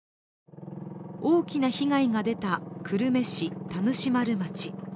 大きな被害が出た久留米市田主丸町。